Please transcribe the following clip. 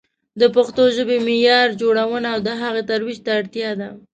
د پښتو ژبې معیار جوړونه او د هغې ترویج ته اړتیا ده.